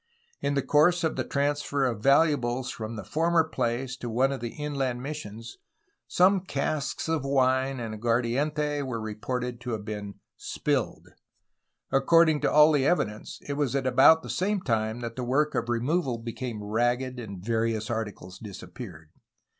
In course of the transfer of valuables from the former place to one of the inland missions some casks of wine and aguardiente were reported to have been "spilled." According to all the evi dence it was at about the same time that the work of removal became ragged and various articles disappeared.